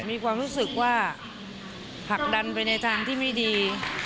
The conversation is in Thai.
มีความรู้สึกว่าผลักดันไปในทางที่ไม่ดี